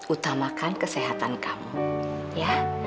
utamakan kesehatan kamu ya